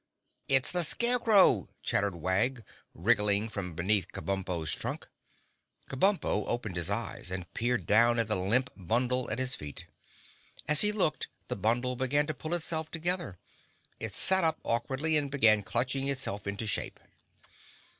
"It's the Scarecrow!" chattered Wag, wriggling from beneath Kabumpo's trunk. Kabumpo opened his eyes and peered down at the limp bundle at his feet. As he looked the bundle began to pull itself together. It sat up awkwardly and began clutching itself into shape.